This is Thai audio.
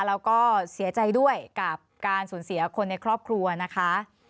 แล้วก็เสียใจด้วยกับการสูญเสียคนในครอบครัวนะคะ